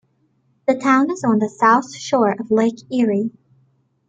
The town is on the south shore of Lake Erie.